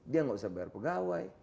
dia enggak bisa bayar pegawai